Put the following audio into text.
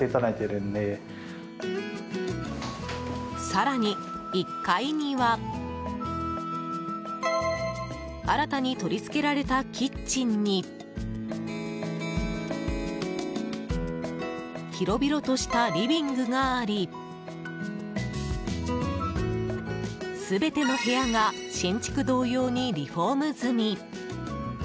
更に１階には新たに取り付けられたキッチンに広々としたリビングがあり全ての部屋が新築同様にリフォーム済み。